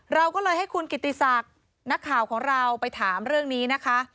เราก็เลยให้คุณกิติศักดิ์นักข่าวของเราไปถามเรื่องนี้นะคะ